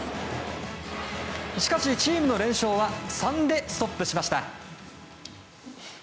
しかし、チームの連勝は３でストップしました。